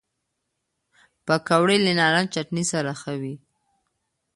پکورې له نارنج چټني سره ښه وي